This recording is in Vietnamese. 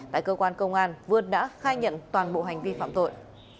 tại cơ quan công an vượt đã khai nhận toàn bộ hành vi phạm tội